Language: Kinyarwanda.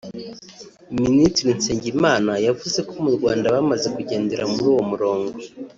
Minisitiri Nsengimana yavuze ko mu Rwanda bamaze kugendera muri uwo murongo